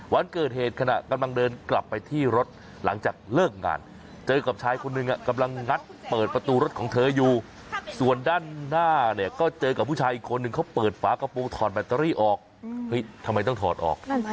วันเกิดเหตุขณะกำลังเดินกลับไปที่รถหลังจากเลิกงานเจอกับชายคนหนึ่งกำลังงัดเปิดประตูรถของเธออยู่ส่วนด้านหน้าเนี่ยก็เจอกับผู้ชายอีกคนนึงเขาเปิดฝากระโปรงถอดแบตเตอรี่ออกเฮ้ยทำไมต้องถอดออก